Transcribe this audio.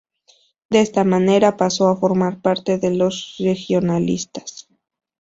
De esta manera, pasó a formar parte de los regionalistas.